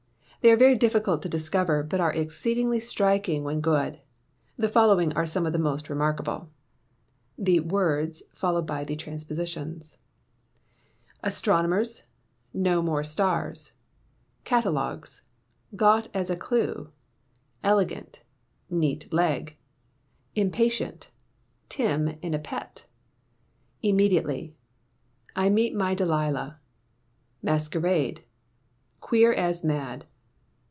They are very difficult to discover, but are exceedingly striking when good. The following are some of the most remarkable: Words Transpositions Astronomers............ No more stars. Catalogues..............Got as a clue. Elegant ................Neat leg. Impatient...............Tim in a pet. Immediately.............I met my Delia. Masquerade .............Queer as mad.